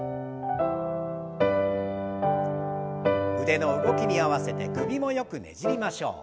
腕の動きに合わせて首もよくねじりましょう。